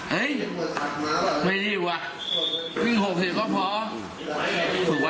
เฮ้ยไม่ดีกว่าวิ่ง๖๐ก็พอถูกวะ